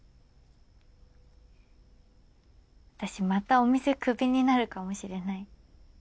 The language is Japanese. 私またお店クビになるかもしれない。